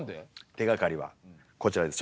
手がかりはこちらです。